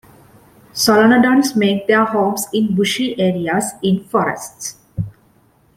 Solenodons make their homes in bushy areas in forests.